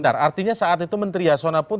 benar artinya saat itu menteri yasona pun